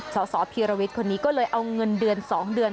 สสพีรวิทย์คนนี้ก็เลยเอาเงินเดือน๒เดือน